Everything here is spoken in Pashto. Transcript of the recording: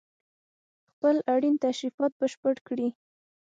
خپل اړين تشريفات بشپړ کړي